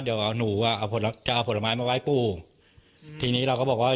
เดี๋ยวหนูอ่ะเอาผลจะเอาผลไม้มาไหว้ปู่ทีนี้เราก็บอกว่า